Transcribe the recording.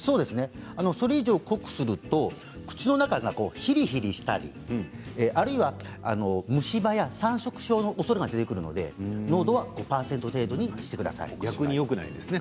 それ以上濃くすると口の中が、ひりひりしたりあるいは虫歯や酸しょく症のおそれが出てきますので濃度は５％程度にしてください。